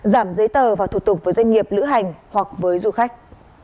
giảm giấy tờ và thủ tục với doanh nghiệp lữ hành hoặc với du khách